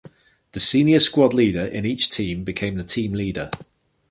The senior squad leader in each team became the team leader.